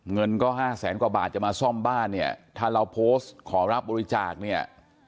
เงินก็ห้าแสนกว่าบาทจะมาซ่อมบ้านเนี่ยถ้าเราโพสต์ขอรับบริจาคเนี่ย